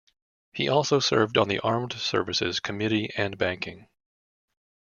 He also served on the Armed Services Committee and Banking.